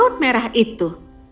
gaun merah itu